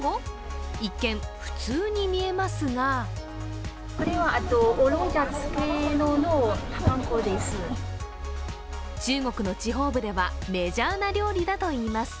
一見普通に見えますが中国の地方部ではメジャーな料理だといいます。